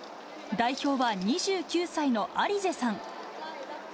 代表は２９歳のアリゼさん。